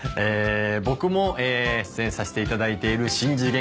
ボクも出演させていただいている『しん次元！